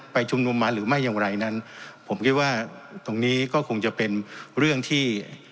ชุมนุมมาหรือไม่อย่างไรนั้นผมคิดว่าตรงนี้ก็คงจะเป็นเรื่องที่